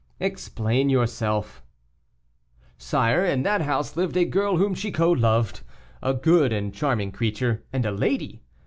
"Explain yourself." "Sire, in that house lived a girl whom Chicot loved, a good and charming creature, and a lady.